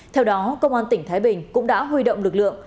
theo đó công an tỉnh thái bình cũng đã huy động lực lượng